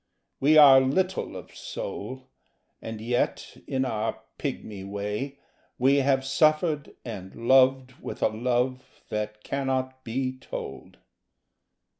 We are little of soul; and yet in our pigmy way We have suffered and loved with a love that cannot be told.